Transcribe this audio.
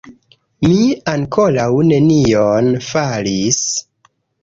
Mi ankoraŭ nenion faris